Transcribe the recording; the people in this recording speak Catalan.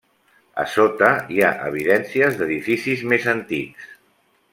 A sota hi ha evidències d'edificis més antics.